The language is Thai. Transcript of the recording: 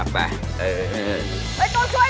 โตช่วย